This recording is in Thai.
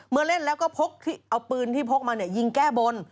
เล่นแล้วก็เอาปืนที่พกมายิงแก้บน